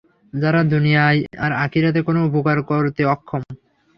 যারা দুনিয়ায় বা আখিরাতে কোন উপকার করতে অক্ষম।